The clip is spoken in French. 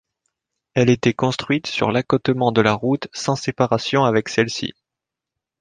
Elle était construite sur l'accotement de la route sans séparation avec celle-ci.